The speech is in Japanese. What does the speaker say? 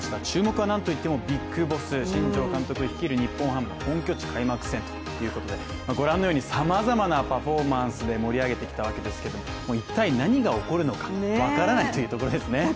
注目はなんといってもＢＩＧＢＯＳＳ新庄監督率いる日本ハム本拠地開幕戦ということで、ご覧のようにさまざまなパフォーマンスで盛り上げてきたわけですけど一体何が起こるのか分からないというところですね。